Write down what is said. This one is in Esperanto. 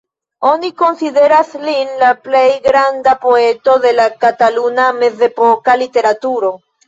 Oni konsideras lin la plej granda poeto de la kataluna mezepoka literaturo.